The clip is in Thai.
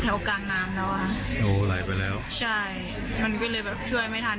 กลางน้ำแล้วอ่ะหนูไหลไปแล้วใช่มันก็เลยแบบช่วยไม่ทัน